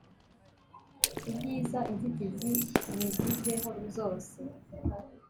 ibyiza inzitizi niziveho zose